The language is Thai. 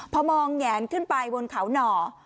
พอมองแหงขึ้นไปบนเขาหน่อ